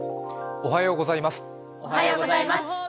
おはようございます。